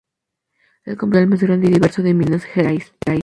El complejo cultural más grande y diverso de Minas Gerais.